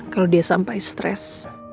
kalau dia sampai stres